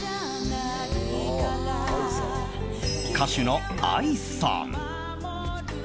歌手のＡＩさん。